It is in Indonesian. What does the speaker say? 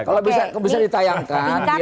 kalau bisa ditayangkan